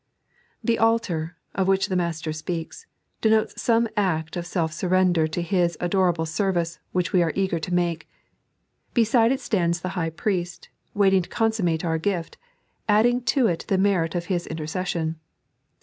The ahar, of which the Master speaks, denotes some act of self surrender to His adorable service which we are eager to make. Beside it stands the High Priest, waiting to consummate our gift, adding to it the merit of His inter cession.